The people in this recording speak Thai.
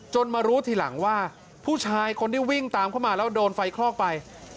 มารู้ทีหลังว่าผู้ชายคนที่วิ่งตามเข้ามาแล้วโดนไฟคลอกไป